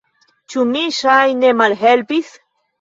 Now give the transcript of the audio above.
Ĉu mi, ŝajne, malhelpis?